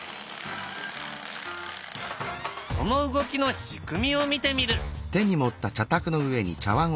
その動きの仕組みを見てみる。